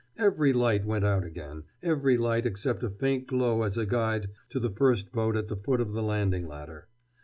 Every light went out again, every light except a faint glow as a guide to the first boat at the foot of the landing ladder.